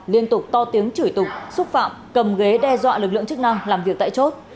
liên tục to tiếng chửi tục xúc phạm cầm ghế đe dọa lực lượng chức năng làm việc tại chốt